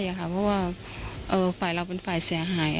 เพราะว่าฝ่ายเราเป็นฝ่ายเสียหาย